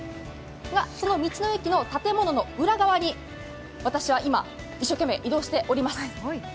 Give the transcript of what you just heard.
その道の駅の建物の裏側に私は今、一生懸命、移動しております。